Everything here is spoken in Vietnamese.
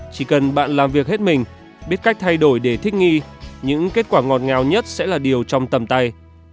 chỉ cần bạn làm việc hết mình biết cách thay đổi để thích nghi những kết quả ngọt ngào nhất sẽ là điều trong tầm tay